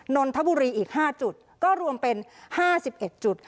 นนทบุรีอีก๕จุดก็รวมเป็น๕๑จุด